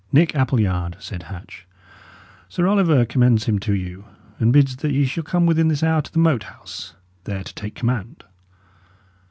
"Nick Appleyard," said Hatch, "Sir Oliver commends him to you, and bids that ye shall come within this hour to the Moat House, there to take command."